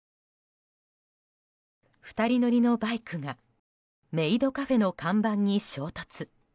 ２人乗りのバイクがメイドカフェの看板に衝突。